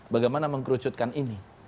bagaimana mengkerucutkan ini